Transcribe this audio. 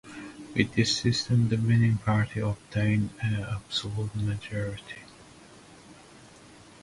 With this system the winning party obtained an absolute majority.